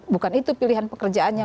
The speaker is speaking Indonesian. bukan itu pilihan pekerjaannya